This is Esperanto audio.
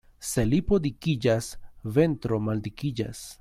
Se lipo dikiĝas, ventro maldikiĝas.